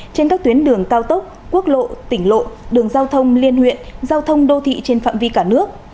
trên các tuyến đường cao tốc quốc lộ tỉnh lộ đường giao thông liên huyện giao thông đô thị trên phạm vi cả nước